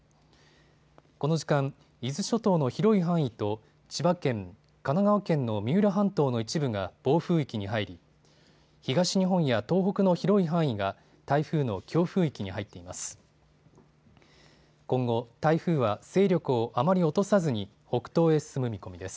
この時間、伊豆諸島の広い範囲と千葉県、神奈川県の三浦半島の一部が暴風域に入り東日本や東北の広い範囲が台風の強風域に入っています。